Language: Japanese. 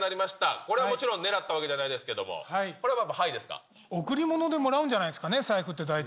これはもちろん狙ったわけじゃないですけれども、これはやっぱり贈り物でもらうんじゃないですかね、財布って大体。